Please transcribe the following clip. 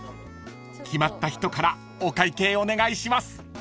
［決まった人からお会計お願いします］